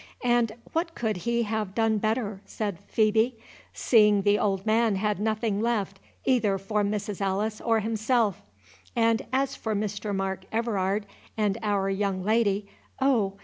—"And what could he have done better?" said Phœbe, "seeing the old man had nothing left either for Mrs. Alice or himself; and as for Mr. Mark Everard and our young lady, oh!